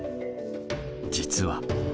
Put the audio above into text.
実は。